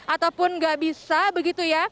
ataupun nggak bisa begitu ya